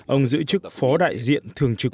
ông giữ chức phó đại diện thường trực